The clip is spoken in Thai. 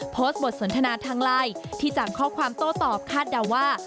โพสต์บทสนทนาทางไลน์ที่จากข้อความโต้ตอบคาดเดาว่า